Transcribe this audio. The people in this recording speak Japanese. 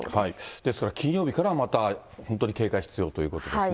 ですから金曜日からまた、本当に警戒が必要ということですね。